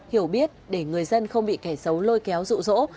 hiểu biết để người dân không bị kẻ xấu lôi kéo rụ rỗ